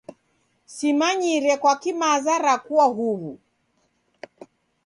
Simanyire kwaki maza rakua huw'u!